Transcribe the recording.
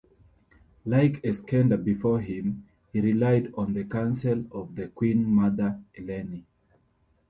Like Eskender before him, he relied on the counsel of the Queen Mother Eleni.